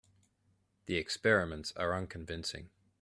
The experiments are unconvincing.